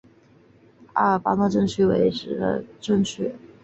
阿尔巴诺镇区为美国堪萨斯州斯塔福德县辖下的镇区。